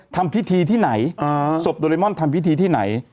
ทำพิธีที่ไหนศพโดเรมอนทำพิธีที่ไหน